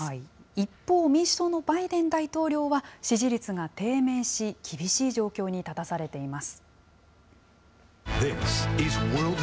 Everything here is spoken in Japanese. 一方、民主党のバイデン大統領は、支持率が低迷し、厳しい状況に立たされています。